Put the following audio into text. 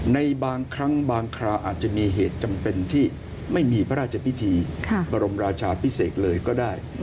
ในบางครั้งบางคราวอาจจะมีเหตุจำเป็นที่ไม่มีพระราชพิธีบรมราชาพิเศษเลยก็ได้